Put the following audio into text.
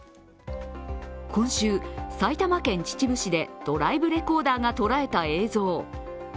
今週、埼玉県秩父市でドライブレコーダーが捉えた映像。